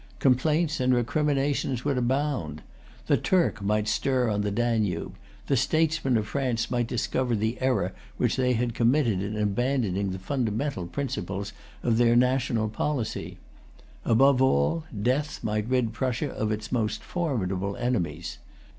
Complaints and recriminations would abound. The Turk might stir on the Danube; the statesmen of France might discover the error which they had committed in abandoning the fundamental principles of their national policy. Above all, death might rid Prussia of its most formidable enemies.